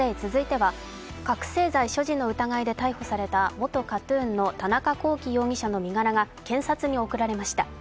続いては、覚醒剤所持の疑いで逮捕された元ＫＡＴ−ＴＵＮの田中聖容疑者の身柄が検察に送られました。